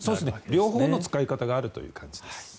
両方の使い方があるという感じです。